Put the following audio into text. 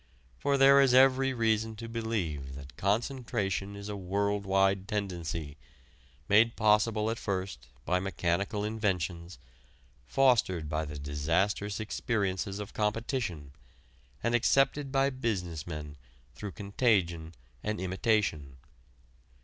For there is every reason to believe that concentration is a world wide tendency, made possible at first by mechanical inventions, fostered by the disastrous experiences of competition, and accepted by business men through contagion and imitation.